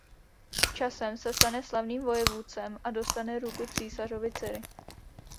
Časem se stane slavným vojevůdcem a dostane ruku císařovy dcery.